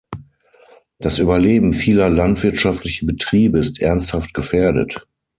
Das Überleben vieler landwirtschaftlicher Betriebe ist ernsthaft gefährdet.